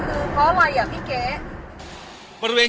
ตอนนี้จะเปลี่ยนอย่างนี้หรอว้าง